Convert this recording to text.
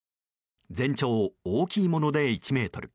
全長、大きいもので１ｍ。